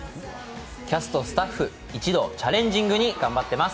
キャスト、スタッフ一同、チャレンジングに頑張ってます。